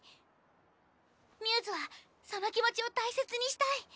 μ’ｓはその気持ちを大切にしたい。